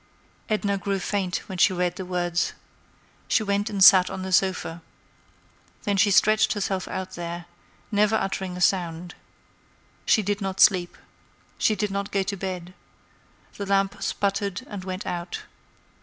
Edna grew faint when she read the words. She went and sat on the sofa. Then she stretched herself out there, never uttering a sound. She did not sleep. She did not go to bed. The lamp sputtered and went out.